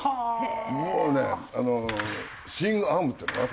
もうねスイングアームっていうのかな？